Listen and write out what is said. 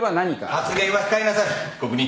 発言は控えなさい被告人。